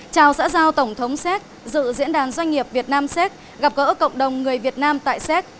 chào xã giao tổng thống séc dự diễn đàn doanh nghiệp việt nam séc gặp gỡ cộng đồng người việt nam tại séc